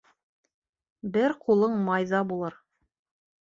Бер ҡулың майҙа булыр.